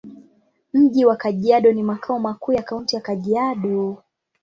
Mji wa Kajiado ni makao makuu ya Kaunti ya Kajiado.